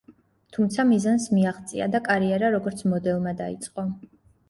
თუმცა მიზანს მიაღწია და კარიერა როგორც მოდელმა დაიწყო.